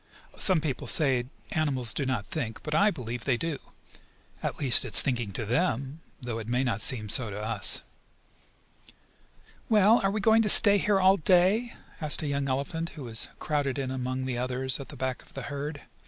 Some people say animals do not think, but I believe they do. At least it is thinking to them, though it may not seem so to us. "Well, are we going to stay here all day?" asked a young elephant, who was crowded in among the others at the back of the herd.